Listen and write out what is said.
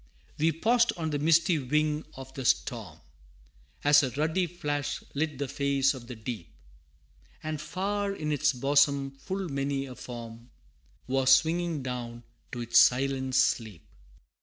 We paused on the misty wing of the storm, As a ruddy flash lit the face of the deep, And far in its bosom full many a form Was swinging down to its silent sleep.